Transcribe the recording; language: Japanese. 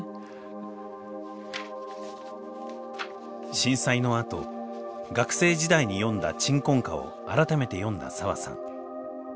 震災のあと学生時代に読んだ「鎮魂歌」を改めて読んだ澤さん。